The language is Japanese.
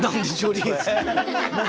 何？